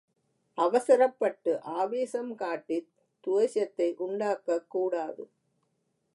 அவசரப்பட்டு ஆவேசம் காட்டித் துவேஷத்தை உண்டாக்கக் கூடாது.